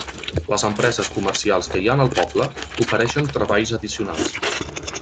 Les empreses comercials que hi ha en el poble, ofereixen treballs addicionals.